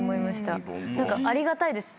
ありがたいです